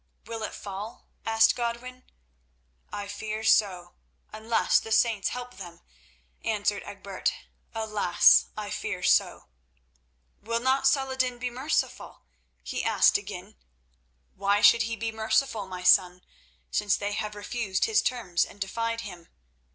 "Will it fall?" asked Godwin. "I fear so, unless the saints help them," answered Egbert. "Alas! I fear so." "Will not Saladin be merciful?" he asked again. "Why should he be merciful, my son, since they have refused his terms and defied him?